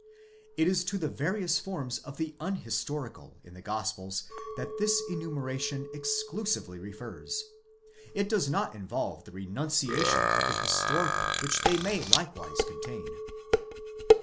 It is to the various forms of the unhistorical in the Gospels that this enumeration exclusively refers : it does not involve the renunciation of the historical which they may likewise contain.